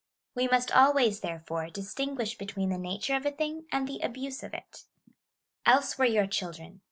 We must always, therefore, distinguish between the nature of a thing and the abuse of it. Else were your children.